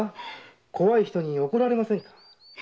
怖い人に怒られませんか？